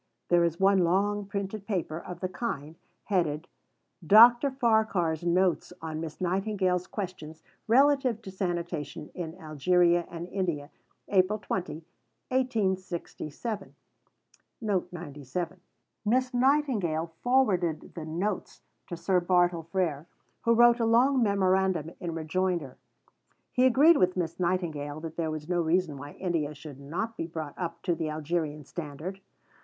There is one long printed paper of the kind, headed "Dr. Farquhar's Notes on Miss Nightingale's Questions relative to Sanitation in Algeria and India, April 20, 1867." Miss Nightingale forwarded the "Notes" to Sir Bartle Frere, who wrote a long memorandum in rejoinder. He agreed with Miss Nightingale that there was no reason why India should not be brought up to the Algerian standard.